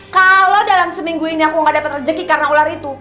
kalau dalam seminggu ini aku nggak dapat rezeki karena ular itu